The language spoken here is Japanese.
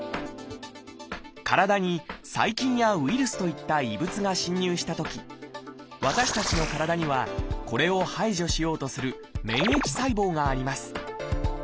体に細菌やウイルスといった異物が侵入したとき私たちの体にはこれを排除しようとする免疫細胞があります。